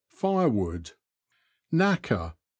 — Firewood. Knacker.